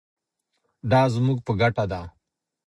دا زموږ په ګټه ده.